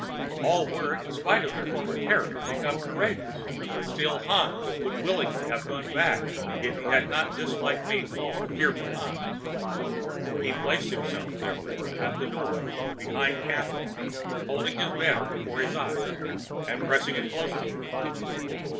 All were, in spite of their former terror, become courageous; still, Hans would willingly have gone back if he had not disliked to be called "fearful Hans." He placed himself, therefore, at the door, behind Caspar, holding his banner before his eyes, and pressing it close to him.